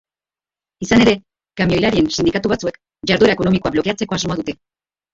Izan ere, kamioilarien sindikatu batzuek jarduera ekonomikoa blokeatzeko asmoa dute.